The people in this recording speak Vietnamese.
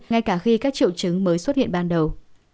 ngay cả khi các triệu chứng mới xuất hiện ban đầu